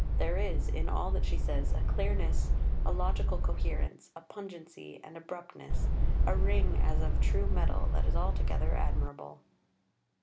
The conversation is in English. There is, in all that she says, a clearness, a logical coherence, a pungency and abruptness, a ring as of true metal, that is altogether admirable."